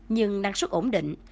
nhưng năng suất ổn định